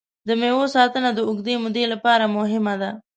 د مېوو ساتنه د اوږدې مودې لپاره مهمه ده.